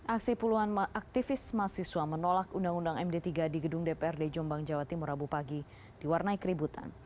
aksi puluhan aktivis mahasiswa menolak undang undang md tiga di gedung dprd jombang jawa timur rabu pagi diwarnai keributan